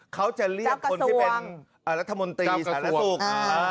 เขาจะเรียกคนที่เป็นรัฐมนตรีสาธารณสุข